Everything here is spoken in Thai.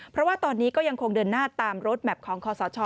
เพราะว่าตอนนี้ก็ยังคงเดินหน้าตามรถแมพของคอสช